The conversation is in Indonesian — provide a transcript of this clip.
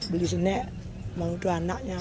beli senek mau itu anaknya